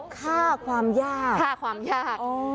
ฆ่าความยากฆ่าความยาก